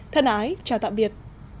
thân ái chào tạm biệt